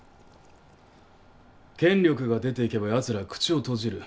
権力が出ていけばやつらは口を閉じる。